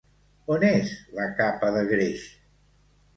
On és la capa de greix?